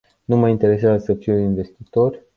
Nu mă interesează să fiu investitor.